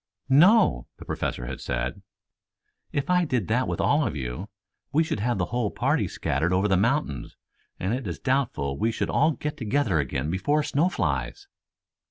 "No," the Professor had said; "if I did that with all of you, we should have the whole party scattered over the mountains and it is doubtful if we should all get together again before snow flies."